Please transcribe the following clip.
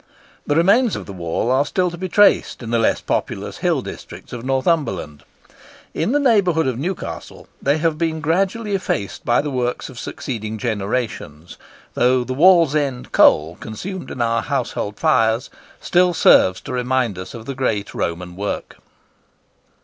The remains of the wall are still to be traced in the less populous hill districts of Northumberland. In the neighbourhood of Newcastle they have been gradually effaced by the works of succeeding generations, though the "Wallsend" coal consumed in our household fires still serves to remind us of the great Roman work.